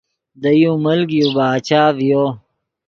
دے یو ملک یو باچہ ڤیو